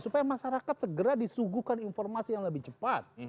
supaya masyarakat segera disuguhkan informasi yang lebih cepat